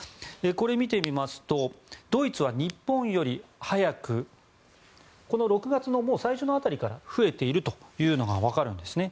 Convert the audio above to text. これを見てみますとドイツは日本より早くこの６月の最初の辺りから増えているというのがわかるんですね。